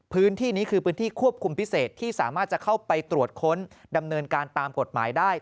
พื้นที่นี้คือพื้นที่ควบคุมพิเศษที่สามารถจะเข้าไปตรวจค้นดำเนินการตามกฎหมายได้